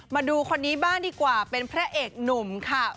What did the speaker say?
มาดูคนนี้บ้างดีกว่าเป็นพระเอกหนุ่มค่ะ